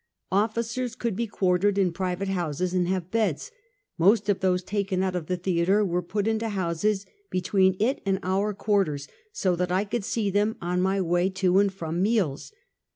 Officers could be quartered in private houses, and have beds, most of those taken out of the theater were put into houses between it and our quarters, so that I could see them on my way to and from meals.